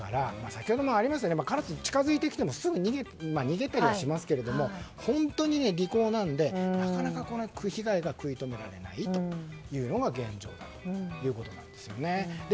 先ほどもありましたけどカラスが近づいてきてもすぐに逃げたりしますけども本当に利口なので、なかなか被害が食い止められないのが現状だということなんですね。